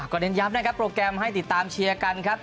เน้นย้ำนะครับโปรแกรมให้ติดตามเชียร์กันครับ